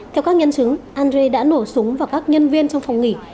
theo các nhân chứng andrei đã nổ súng vào các nhân viên trong phòng nghỉ